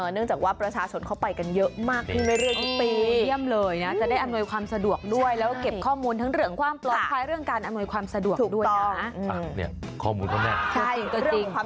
เนื่องจากว่าประชาสนเข้าไปกันเยอะมากทีเรื่อยทุกปี